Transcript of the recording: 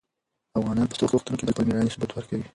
افغانان په سختو وختونو کې د خپل مېړانې ثبوت ورکوي.